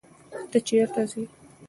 ته چیرته ځې.